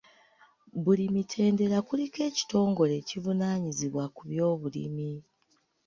Buli mitendera kuliko ekitongole ekivunaanyizibwa ku by'obulimi.